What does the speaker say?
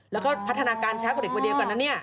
แล้วก็พัฒนาการช้ากว่าเด็กวันเดียวก่อนนะเนี่ย